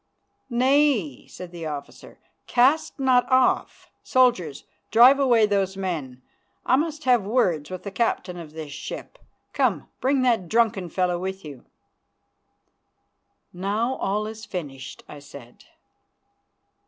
"Nay," said the officer, "cast not off. Soldiers, drive away those men. I must have words with the captain of this ship. Come, bring that drunken fellow with you." "Now all is finished," I said.